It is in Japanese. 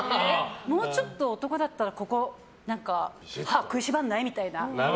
もうちょっと男だったらここ歯を食いしばらない？みたいな。